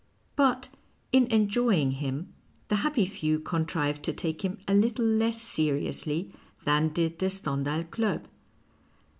But, in enjoying him, the happy few contrive to take him a little less seriously than did the Stendhal Club.